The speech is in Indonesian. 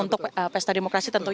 untuk pesta demokrasi tentunya